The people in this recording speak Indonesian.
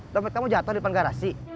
dompet kamu jatoh di depan garasi